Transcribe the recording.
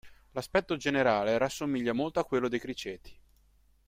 L'aspetto generale rassomiglia molto a quello dei criceti.